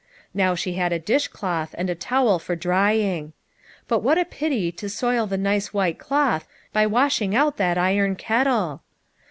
Now she had a dishcloth, and a towel for drying. But what a pity to soil the nice white cloth by washing out that iron kettle